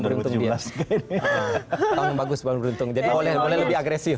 tahun yang bagus bangun beruntung jadi boleh lebih agresif